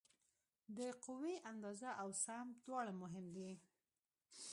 د قوې اندازه او سمت دواړه مهم دي.